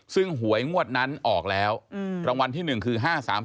ซึ่งหวยงวดนั้นออกแล้วรางวัลที่๑คือ๕๓๓